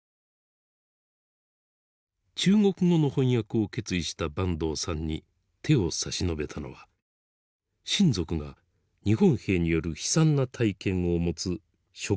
中国語の翻訳を決意した坂東さんに手を差し伸べたのは親族が日本兵による悲惨な体験を持つ職場の仲間王さんでした。